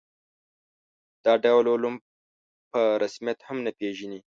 دا ډول علوم په رسمیت هم نه پېژني.